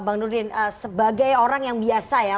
bang nurdin sebagai orang yang biasa ya